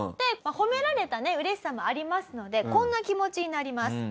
褒められたね嬉しさもありますのでこんな気持ちになります。